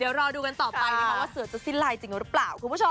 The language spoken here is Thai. เดี๋ยวรอดูกันต่อไปว่าเสือจะซินไลน์จริงหรือเปล่า